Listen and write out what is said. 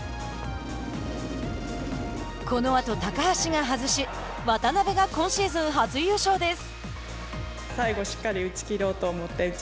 このあと高橋が外し渡邉が今シーズン初優勝です。